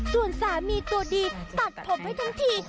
ส่วนสามีตัวดีตัดผมให้ทั้งที